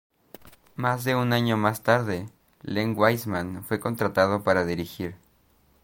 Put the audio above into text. Más de un año más tarde Len Wiseman fue contratado para dirigir.